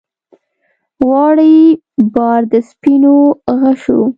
غواړي بار د سپینو غشو